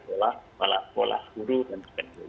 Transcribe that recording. kepala sekolah pola guru dan sebagainya